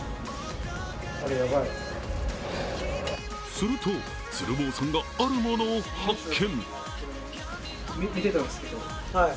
すると鶴房さんがあるものを発見。